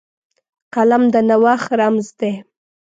قلم د نوښت رمز دی